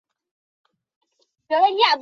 无神论者是指不相信神的人。